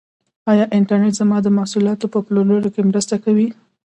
آیا انټرنیټ زما د محصولاتو په پلور کې مرسته کوي؟